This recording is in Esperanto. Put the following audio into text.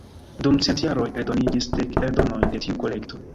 Dum cent jaroj eldoniĝis dek eldonoj de tiu kolekto.